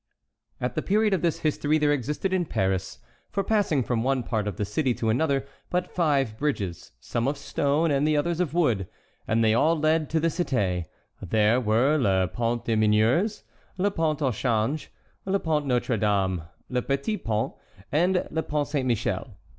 At the period of this history there existed in Paris, for passing from one part of the city to another, but five bridges, some of stone and the others of wood, and they all led to the Cité; there were le Pont des Meuniers, le Pont au Change, le Pont Notre Dame, le Petit Pont, and le Pont Saint Michel.